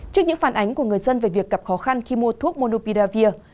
trước những phản ánh của người dân về việc gặp khó khăn khi mua thuốc monopidavir